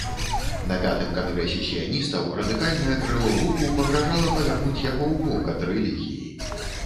На пятым кангрэсе сіяністаў радыкальнае крыло руху пагражала павярнуць яго ў бок ад рэлігіі.